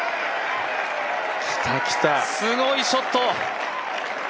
すごいショット！